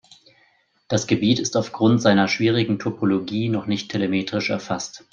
Das Gebiet ist aufgrund seiner schwierigen Topologie noch nicht telemetrisch erfasst.